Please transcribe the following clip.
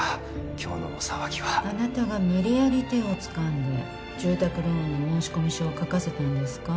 今日の騒ぎはあなたが無理やり手をつかんで住宅ローンの申込書を書かせたんですか？